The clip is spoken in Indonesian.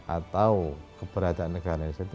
atau keberadaan negara itu